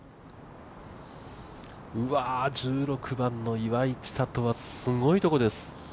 うわー、１６番の岩井千怜はすごいところです。